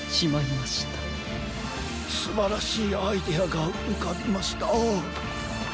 すばらしいアイデアがうかびました。